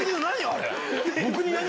あれ。